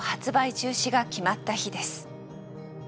中止が決まった日です。